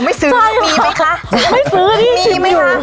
ไม่ซื้อใช่ค่ะมีไหมคะไม่ซื้อนี่ชิมอยู่มีไหมคะ